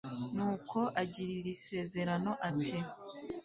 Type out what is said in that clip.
nuko agira iri sezerano, ati